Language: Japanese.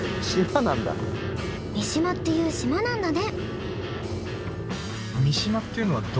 見島っていう島なんだね。